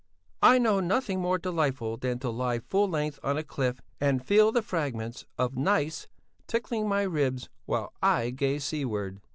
I know nothing more delightful than to lie full length on a cliff and feel the fragments of gneiss tickling my ribs while I gaze seaward.